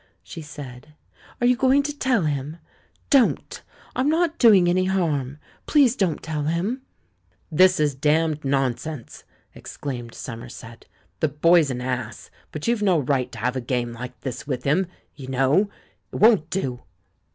she said. "Are you going to tell him? Don't! I'm not doing any harm. Please don't tell him!" "This is damned nonsense!" exclaimed Somer set. "The boy's an ass, but you've no right to have a game like this with him, you know; it won't do!"